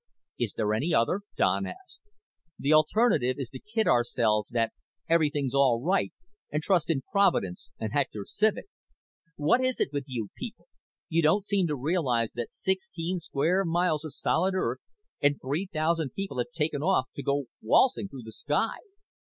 "Is there any other?" Don asked. "The alternative is to kid ourselves that everything's all right and trust in Providence and Hector Civek. What is it with you people? You don't seem to realize that sixteen square miles of solid earth, and three thousand people, have taken off to go waltzing through the sky.